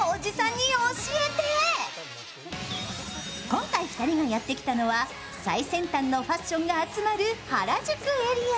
今回２人がやってきたのは最先端のファッションが集まる原宿エリア。